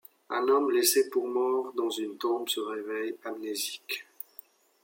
Un homme laissé pour mort dans une tombe se réveille amnésique.